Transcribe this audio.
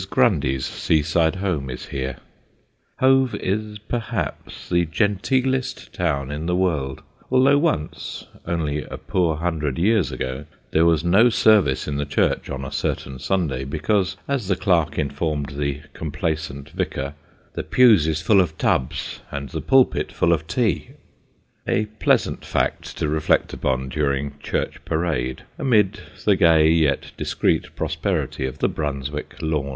Grundy's sea side home is here. Hove is, perhaps, the genteelest town in the world, although once, only a poor hundred years ago, there was no service in the church on a certain Sunday, because, as the clerk informed the complaisant vicar, "The pews is full of tubs and the pulpit full of tea" a pleasant fact to reflect upon during Church Parade amid the gay yet discreet prosperity of the Brunswick Lawns.